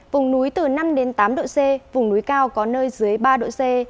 vùng núi từ năm tám độ c vùng núi cao có nơi dưới ba độ c